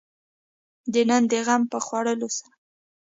د نن د غم په خوړلو سره.